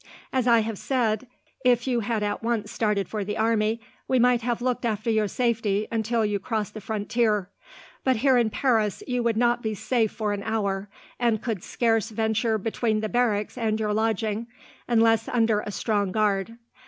As I have said, if you had at once started for the army, we might have looked after your safety until you crossed the frontier, but here in Paris you would not be safe for an hour, and could scarce venture between the barracks and your lodging, unless under a strong guard.